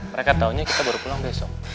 mereka taunya kita baru pulang besok